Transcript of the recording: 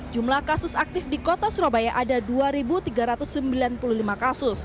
jumlah kasus aktif di kota surabaya ada dua tiga ratus sembilan puluh lima kasus